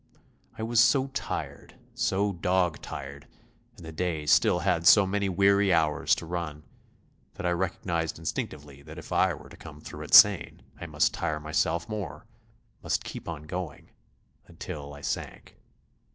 I was so tired, so dog tired, and the day still had so many weary hours to run, that I recognised instinctively that if I were to come through it sane I must tire myself more, must keep on going until I sank.